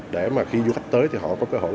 để mà khi du khách tới thì họ có cơ hội